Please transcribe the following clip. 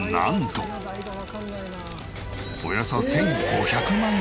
およそ１５００万円！